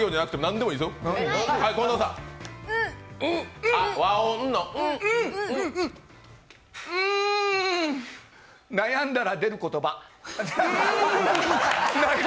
んんん悩んだら出る言葉。